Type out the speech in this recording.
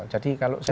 jadi kalau saya